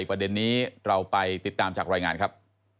ประเด็นนี้เราไปติดตามจากรายงานครับ